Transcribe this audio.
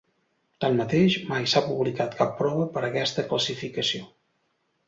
Tanmateix, mai s'ha publicat cap prova per a aquesta classificació.